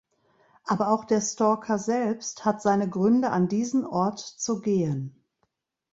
Aber auch der Stalker selbst hat seine Gründe, an diesen Ort zu gehen.